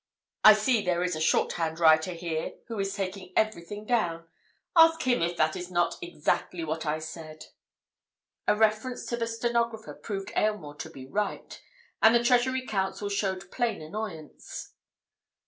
I see there is a shorthand writer here who is taking everything down—ask him if that is not exactly what I said?" A reference to the stenographer proved Aylmore to be right, and the Treasury Counsel showed plain annoyance.